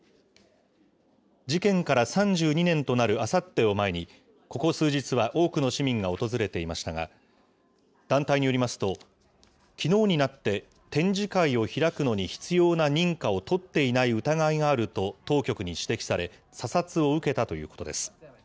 事件から３２年となるあさってを前に、ここ数日は多くの市民が訪れていましたが、団体によりますと、きのうになって展示会を開くのに必要な認可を取っていない疑いがあると、当局に指摘され、査察を受けたということです。